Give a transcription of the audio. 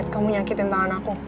ya dit kamu nyakitin tangan aku